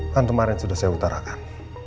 kan kemarin sudah saya utarakan